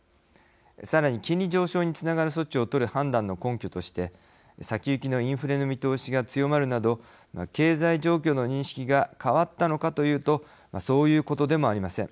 さらに金利上昇につながる措置をとる判断の根拠として先行きのインフレの見通しが強まるなど経済状況の認識が変わったのかというとそういうことでもありません。